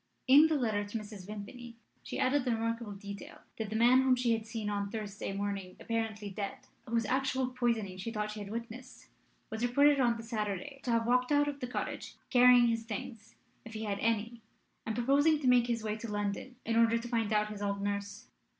In the letter to Mrs. Vimpany she added the remarkable detail that the man whom she had seen on the Thursday morning apparently dead, whose actual poisoning she thought she had witnessed, was reported on the Saturday to have walked out of the cottage, carrying his things, if he had any, and proposing to make his way to London in order to find out his old nurse.